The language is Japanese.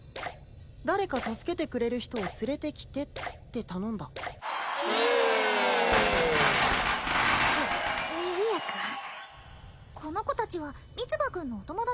誰か助けてくれる人を連れてきてって頼んだににぎやかこの子達はミツバくんのお友達？